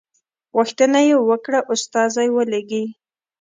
غوښتنه یې کړې وه استازی ولېږي.